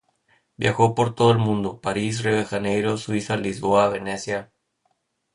Viajó por todo el mundo: París, Río de Janeiro, Suiza, Lisboa, Venecia...